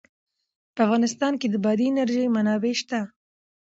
په افغانستان کې د بادي انرژي منابع شته.